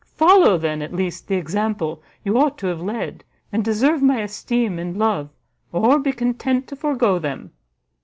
Follow then, at least, the example you ought to have led, and deserve my esteem and love, or be content to forego them."